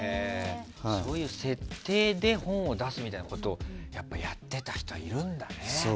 そういう設定で本を出すみたいなことをやっていた人がいるんだね。